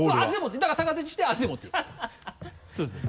だから逆立ちして足で持っていくそうそう。